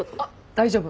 大丈夫。